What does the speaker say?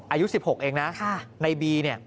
อายุ๑๖เองนะในบี